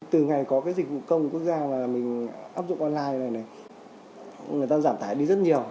từ ngày có cái dịch vụ công quốc gia mà mình áp dụng online này này người ta giảm tải đi rất nhiều